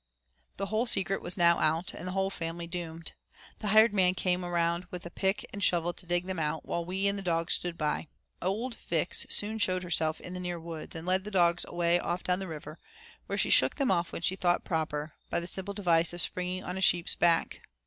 The whole secret was now out, and the whole family doomed. The hired man came around with pick and shovel to dig them out, while we and the dogs stood by. Old Vix soon showed herself in the near woods, and led the dogs away off down the river, where she shook them off when she thought proper, by the simple device of springing on a sheep's back.